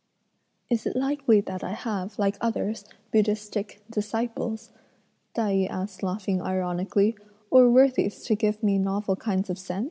"Is it likely that I have, like others, Buddhistic disciples," Tai yü asked laughing ironically, "or worthies to give me novel kinds of scents?